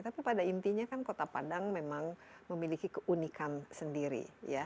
tapi pada intinya kan kota padang memang memiliki keunikan sendiri